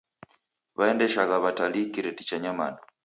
Waendeshagha w'atalii kireti cha nyamandu.